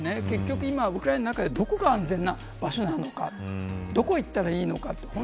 結局今、ウクライナの中でどこが安全な場所なのかどこへ行ったらいいのかって